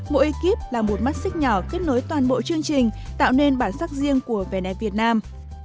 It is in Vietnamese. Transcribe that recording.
mỗi ekip là một mắt xích nhỏ kết nối toàn bộ chương trình tạo nên bản sắc riêng của vẻ đẹp việt nam